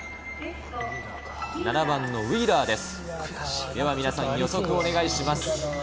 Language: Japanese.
７番のウィーラーです。